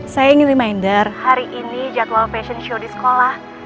saya ingin reminder hari ini jadwal fashion show di sekolah